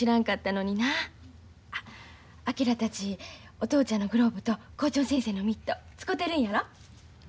お父ちゃんのグローブと校長先生のミット使てるんやろ？